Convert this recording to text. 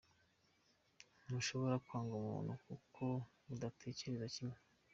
Ntushobora kwanga umuntu kuko mudatekereza kimwe.